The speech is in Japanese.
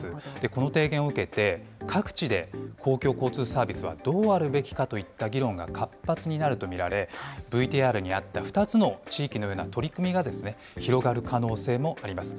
この提言を受けて、各地で公共交通サービスはどうあるべきかといった議論が活発になると見られ、ＶＴＲにあった２つの地域のような取り組みが広がる可能性もあります。